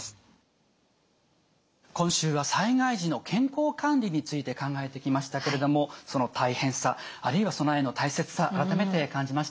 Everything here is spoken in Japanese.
今週は災害時の健康管理について考えてきましたけれどもその大変さあるいは備えの大切さ改めて感じましたよね。